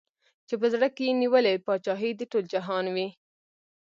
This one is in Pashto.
چي په زړه کي یې نیولې پاچهي د ټول جهان وي